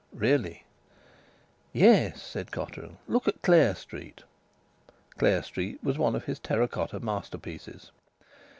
"Really!" "Yes," said Cotterill. "Look at Clare Street." Clare Street was one of his terra cotta masterpieces.